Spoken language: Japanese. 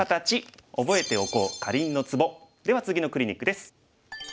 では次のクリニックです。